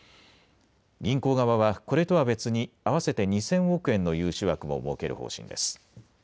銀行側はこれとは別に合わせて２０００億円の融資枠も設ける方針です。